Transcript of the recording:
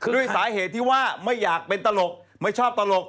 ด้วยสาเหตุที่ว่าไม่อยากเป็นตลกไม่ชอบตลก